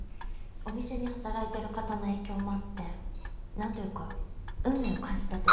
お店で働いてる方の影響もあってなんというか運命を感じたというか。